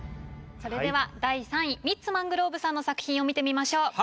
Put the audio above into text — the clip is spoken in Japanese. それでは第３位ミッツ・マングローブさんの作品を見てみましょう。